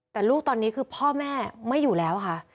แต่ลูกตอนนี้คือพ่อแม่ไม่อยู่แล้วค่ะ